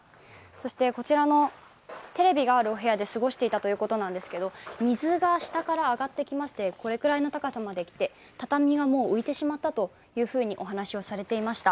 そして、こちらのテレビがあるお部屋で過ごしていたということなんですけれども、水が下から上がってきましてこれくらいの高さまで来て畳がもう浮いてしまったとお話をされていました。